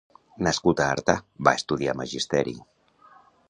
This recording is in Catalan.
Nascut a Artà, va estudiar magisteri.